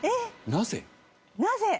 なぜ？